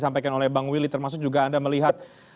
sampaikan oleh bang willy termasuk juga anda melihat